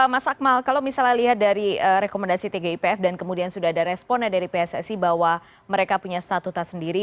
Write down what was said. mas akmal kalau misalnya lihat dari rekomendasi tgipf dan kemudian sudah ada responnya dari pssi bahwa mereka punya statuta sendiri